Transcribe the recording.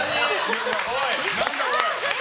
おい。